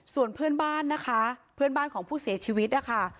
ส่วนเพื่อนบ้านนะคะเพื่อนบ้านของผู้เสียชีวิตนะคะ